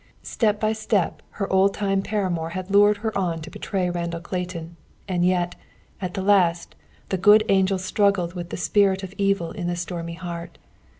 Step by step her old time paramour had lured her on to betray Randall Clayton, and yet, at the last, the good angel struggled with the spirit of evil in that stormy heart.